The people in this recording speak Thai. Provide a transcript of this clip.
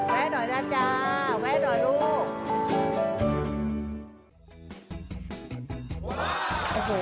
แวะหน่อยนะจ๊ะแวะหน่อยลูก